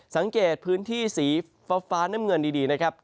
สังเกตพื้นที่สีฟ้าน้ำเงินดีนะครับ